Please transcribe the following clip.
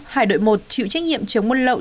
hải đội một chịu trách nhiệm chống bút lậu